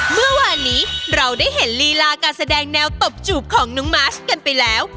เมื่อวานนี้เราได้เห็นลีลาการแสดงแนวตบจูบของน้องมาชกันไปแล้ว